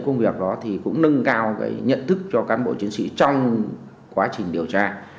công việc đó cũng nâng ngao nhận thức cho cán bộ chính trị trong quá trình điều tra